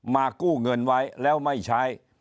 กู้เงินไว้แล้วไม่ใช้